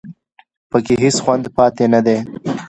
په کې هېڅ خوند پاتې نه دی